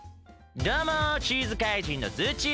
どうもチーズ怪人のズッチーです！